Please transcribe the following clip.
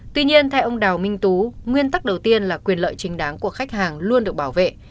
tuy nhiên theo ông đào minh tú nguyên tắc đầu tiên là quyền lợi chính đáng của khách hàng luôn được bảo vệ